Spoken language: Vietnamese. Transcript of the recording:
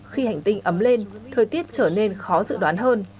khi hành tinh ấm lên thời tiết trở nên khó dự đoán hơn